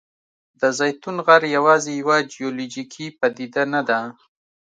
د زیتون غر یوازې یوه جیولوجیکي پدیده نه ده.